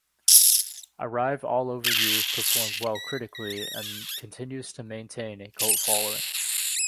"Arrive All Over You" performed well critically and continues to maintain a cult following.